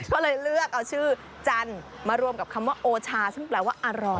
ก็เลยเลือกเอาชื่อจันทร์มารวมกับคำว่าโอชาซึ่งแปลว่าอร่อย